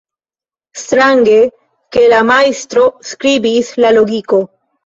Strange, ke la majstro skribis la logiko.